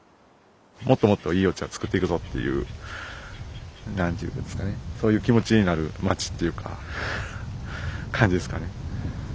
もっともっといいお茶を作っていくぞっていう何て言うんですかねそういう気持ちになる町っていうか感じですかね。